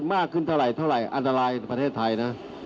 มากขึ้นเท่าไหร่อันตรายประเทศไทยนะ